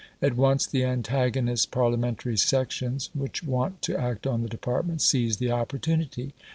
At once the antagonist Parliamentary sections, which want to act on the department, seize the opportunity.